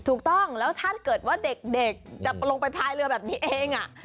ถูกต้องแล้วถ้าเกิดว่าเด็กจะลงไปพายเรือแบบนี้เอง